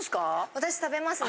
私食べますね。